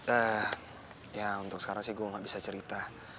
eh ya untuk sekarang sih gue gak bisa cerita